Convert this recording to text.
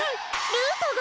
ルートが！